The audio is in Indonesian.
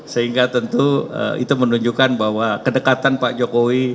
sehingga tentu itu menunjukkan bahwa kedekatan pak jokowi